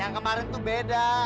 yang kemarin itu beda